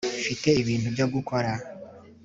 mfite ibintu byo gukora